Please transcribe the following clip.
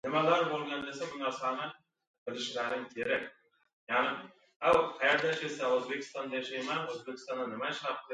• Aqlliga ― ta’zim, ahmoqqa ― tarsaki.